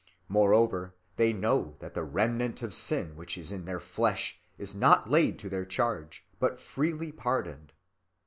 Moreover, they know that the remnant of sin which is in their flesh is not laid to their charge, but freely pardoned.